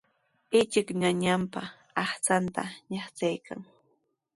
Ichik ñañanpa aqchanta ñaqchaykan.